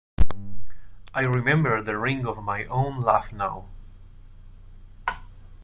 I remember the ring of my own laugh now.